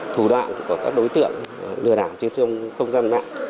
thủ đoạn của các đối tượng lừa đảo trên xương không gian nạn